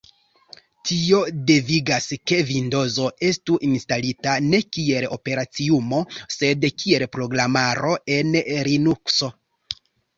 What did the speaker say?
Tio devigas ke Vindozo estu instalita, ne kiel operaciumo, sed kiel programaro en Linukso.